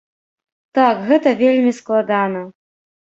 Так, гэта вельмі складана.